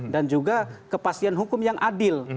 dan juga kepastian hukum yang adil